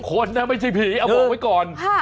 คนนะไม่ใช่ผีเอาบอกไว้ก่อน